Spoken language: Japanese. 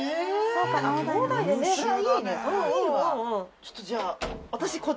ちょっとじゃあ。